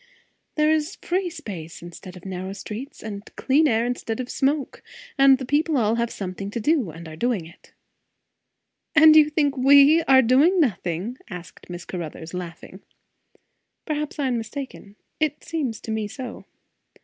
"It is free space instead of narrow streets, and clear air instead of smoke. And the people all have something to do, and are doing it." "And you think we are doing nothing?" asked Miss Caruthers, laughing. "Perhaps I am mistaken. It seems to me so."